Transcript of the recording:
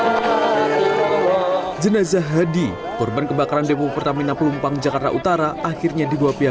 hai jenazah hadi korban kebakaran depok pertamina pelumpang jakarta utara akhirnya di dua pihak